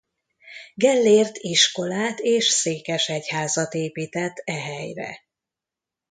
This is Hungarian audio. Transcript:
Gellért iskolát és székesegyházat épített e helyre.